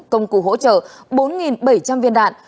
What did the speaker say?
công cụ hỗ trợ bốn bảy trăm linh viên đạn